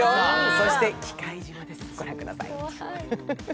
そして「忌怪島」ですご覧ください。